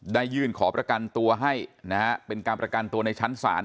ยื่นขอประกันตัวให้นะฮะเป็นการประกันตัวในชั้นศาล